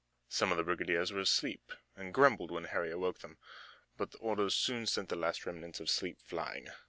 Some of the brigadiers were asleep, and grumbled when Harry awoke them, but the orders soon sent the last remnants of sleep flying.